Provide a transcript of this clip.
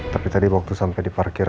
tapi tadi waktu sampai di parkiran